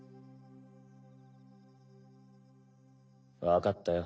わかったよ